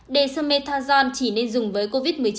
dexamethasone chỉ nên dùng với covid một mươi chín